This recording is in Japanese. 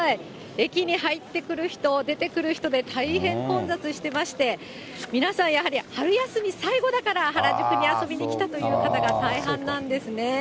駅に入ってくる人、出てくる人で大変混雑してまして、皆さん、やはり春休み最後だから原宿に遊びに来たという方が大半なんですね。